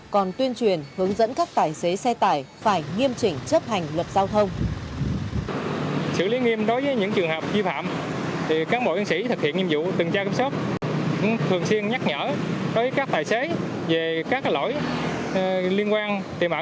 còn tuyên truyền hướng dẫn các tài xế xe tải phải nghiêm chỉnh chấp hành luật giao thông